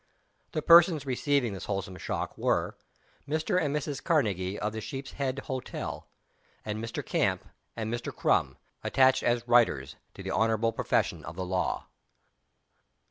The persons receiving this wholesome shock were Mr. and Mrs. Karnegie of the Sheep's Head Hotel and Mr. Camp, and Mr. Crum, attached as "Writers" to the honorable profession of the Law.